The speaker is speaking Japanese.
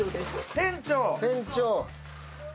店長。